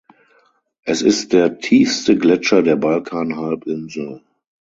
Es ist der tiefste Gletscher der Balkanhalbinsel.